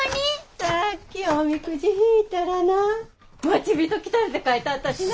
さっきおみくじ引いたらな「待ち人来る」て書いたったしな。